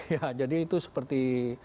ya jadi itu seperti